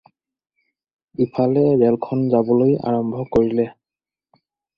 ইফালে ৰেলখন যাবলৈ আৰম্ভ কৰিলে।